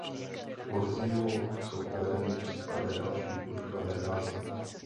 Kurzívou jsou uvedeny případné další užívané názvy.